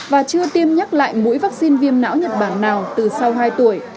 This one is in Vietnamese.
và chưa tiêm nhắc lại mũi vaccine viêm não nhật bản nào từ sau hai tuổi